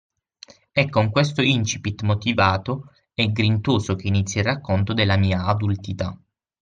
È con questo incipit motivato e grintoso che inizia il racconto della mia adultità